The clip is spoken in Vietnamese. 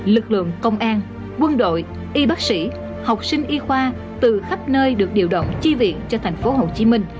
lực lượng công an quân đội y bác sĩ học sinh y khoa từ khắp nơi được điều động chi viện cho tp hcm